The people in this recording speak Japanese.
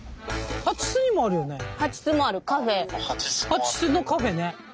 蜂巣のカフェね。